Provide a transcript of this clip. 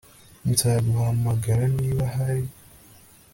Nzaguhamagara niba ahari